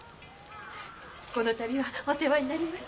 この度はお世話になります。